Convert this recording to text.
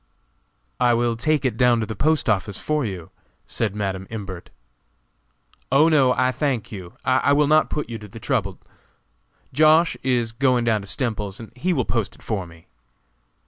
"I will take it down to the postoffice for you," said Madam Imbert. "Oh, no, I thank you, I will not put you to the trouble; Josh. is going down to Stemples's, and he will post it for me."